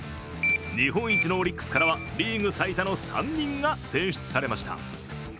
日本一のオリックスからはリーグ最多の３人が選出されました。